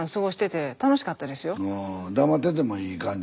黙っててもいい感じ